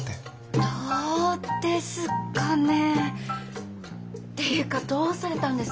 どうですかねていうかどうされたんですか？